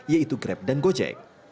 yaitu grab dan gojek